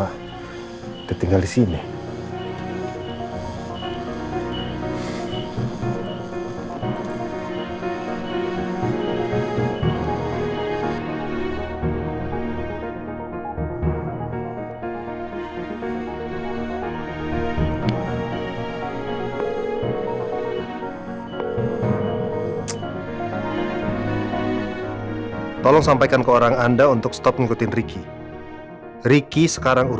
baikan kain abis oraz siain justre pake ibu